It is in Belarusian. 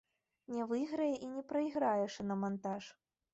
Не выйграе і не прайграе шынамантаж.